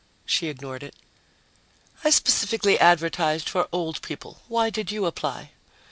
She ignored it. "I specifically advertised for old people. Why did you apply?"